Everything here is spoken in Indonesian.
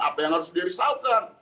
apa yang harus dirisaukan